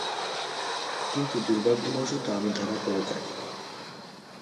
কিন্তু দূর্ভাগ্যবশত আমি ধরা পড়ে যাই।